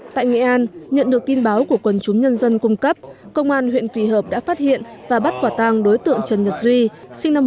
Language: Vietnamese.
tại nghệ an nhận được tin báo của quần chúng nhân dân cung cấp công an huyện quỳ hợp đã phát hiện và bắt quả tàng đối tượng trần nhật duy sinh năm một nghìn chín trăm tám mươi